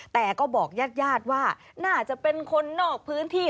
แต่ก็บอกญาติญาติว่าน่าจะเป็นคนนอกพื้นที่